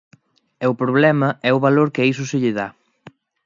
E o problema é o valor que a iso se lle dá.